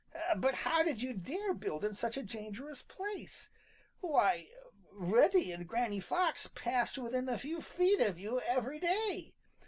"But how did you dare build in such a dangerous place? Why, Reddy and Granny Fox passed within a few feet of you every day!